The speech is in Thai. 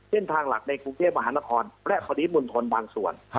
เช่นทางหลักในกรุงเทพมหานครและพอดีมุนทนบางส่วน